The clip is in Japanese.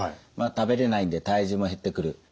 食べれないので体重も減ってくる。